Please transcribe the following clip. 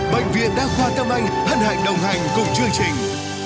bệnh viện đa khoa tâm anh hân hạnh đồng hành cùng chương trình